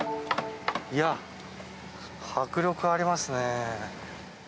迫力ありますね。